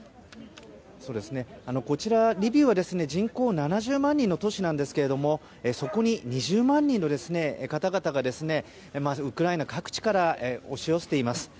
こちらリビウは人口７０万人の都市なんですがそこに２０万人の方々がウクライナ各地から押し寄せています。